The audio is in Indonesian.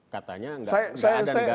katanya gak ada negara yang gak punya